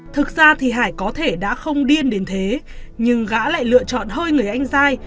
thực ra thì hải có thể đã không điên đến thế nhưng gã lại lựa chọn hơi người anh dai